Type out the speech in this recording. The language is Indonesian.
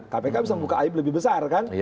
kpk bisa membuka air belah lebih besar kan